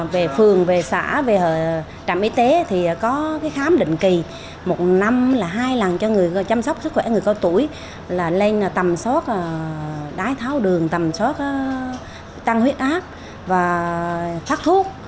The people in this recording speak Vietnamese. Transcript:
về phường về xã về trạm y tế thì có cái khám định kỳ một năm là hai lần cho người chăm sóc sức khỏe người cao tuổi là lên tầm soát đái tháo đường tầm soát tăng huyết áp và phát thuốc